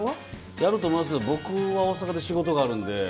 やろうと思いますけど僕は大阪で仕事があるので。